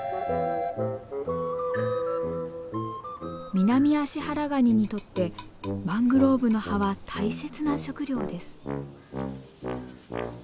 ミナミアシハラガニにとってマングローブの葉は大切な食料です。